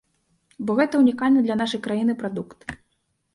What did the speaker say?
Бо гэта ўнікальны для нашай краіны прадукт.